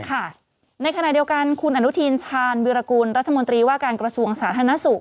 ในขณะเดียวกันคุณอนุทินชาญวิรากูลรัฐมนตรีว่าการกระทรวงสาธารณสุข